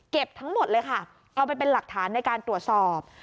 ทั้งหมดเลยค่ะเอาไปเป็นหลักฐานในการตรวจสอบ